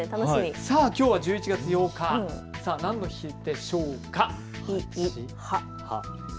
きょうは１１月８日、何の日でしょうか。